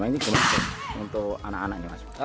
ini gimana untuk anak anak